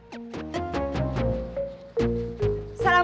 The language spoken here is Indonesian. saya mau jadi hansip aja perwe